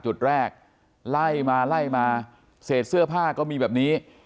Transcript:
จุดแรกไล่มาไล่มาเศษเสื้อผ้าก็มีแบบนี้